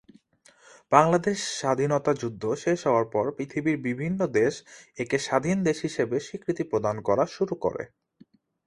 বাংলাদেশ স্বাধীনতা যুদ্ধ শেষ হওয়ার পর পৃথিবীর বিভিন্ন দেশ একে স্বাধীন দেশ হিসেবে স্বীকৃতি প্রদান করা শুরু করে।